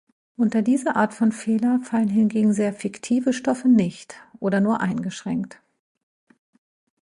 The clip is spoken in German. Unter diese Art von Fehler fallen hingegen sehr fiktive Stoffe nicht oder nur eingeschränkt.